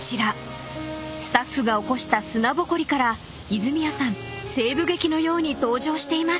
［スタッフが起こした砂ぼこりから泉谷さん西部劇のように登場しています］